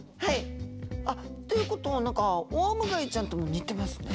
あっということは何かオウムガイちゃんとも似てますね。